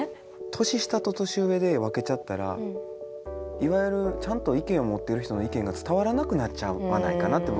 年下と年上で分けちゃったらいわゆるちゃんと意見を持ってる人の意見が伝わらなくなっちゃわないかなって僕は思っていて。